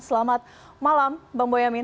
selamat malam bang boyamin